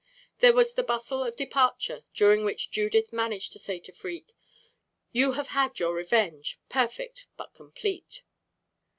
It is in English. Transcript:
There was the bustle of departure, during which Judith managed to say to Freke: "You have had your revenge perfect but complete."